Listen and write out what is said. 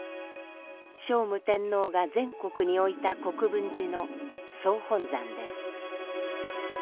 聖武天皇が全国に置いた国分寺の総本山です。